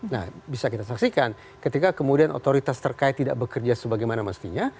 nah bisa kita saksikan ketika kemudian otoritas terkait tidak bekerja sebagaimana mestinya